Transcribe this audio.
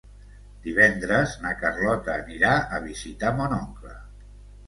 Divendres na Carlota anirà a visitar mon oncle.